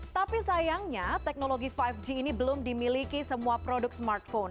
tapi sayangnya teknologi lima g ini belum dimiliki semua produk smartphone